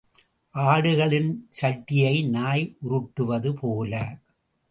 ஆடுகளின் சட்டியை நாய் உருட்டுவது போல.